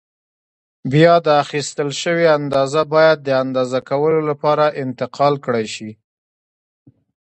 بیا دا اخیستل شوې اندازه باید د اندازه کولو لپاره انتقال کړای شي.